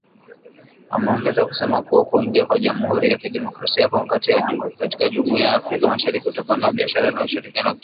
Wameongeza kusema kuwa kuingia kwa Jamhuri ya Kidemokrasia ya Kongo katika Jumuiya ya Afrika Mashariki kutapanua biashara na ushirikiano wa kieneo